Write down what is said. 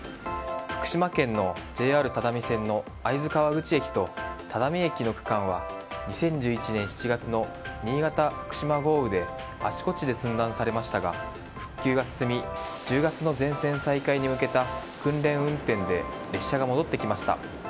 福島県のＪＲ只見線の会津川口駅と只見駅の区間は２０１１年７月の新潟・福島豪雨であちこちで寸断されましたが復旧が進み１０月の全線再開に向けた訓練運転で列車が戻ってきました。